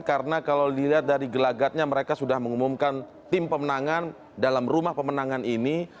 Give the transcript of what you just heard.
karena kalau dilihat dari gelagatnya mereka sudah mengumumkan tim pemenangan dalam rumah pemenangan ini